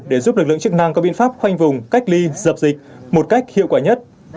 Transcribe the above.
để giúp lực lượng chức năng có biện pháp khoanh vùng cách ly dập dịch một cách hiệu quả nhất